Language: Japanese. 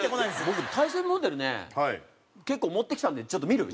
僕大戦モデルね結構持ってきたんでちょっと見る？